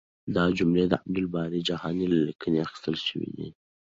دا جملې د عبدالباري جهاني له لیکنې اخیستل شوې دي.